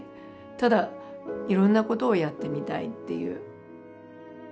ただいろんなことをやってみたいっていう。